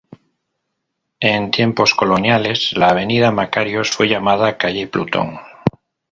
En tiempos coloniales la Avenida Makarios fue llamada calle Plutón.